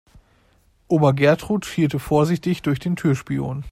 Oma Gertrud schielte vorsichtig durch den Türspion.